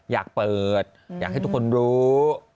อยากเปิดอยากให้ทุกคนรู้